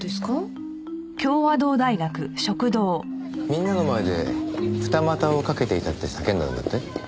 みんなの前で二股をかけていたって叫んだんだって？